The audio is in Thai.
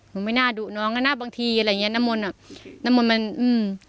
ไม่น่าดุน้องอ่ะนะบางทีอะไรอย่างเงี้น้ำมนต์อ่ะน้ำมนต์มันอืม